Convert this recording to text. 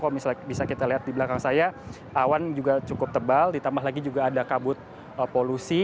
kalau misalnya bisa kita lihat di belakang saya awan juga cukup tebal ditambah lagi juga ada kabut polusi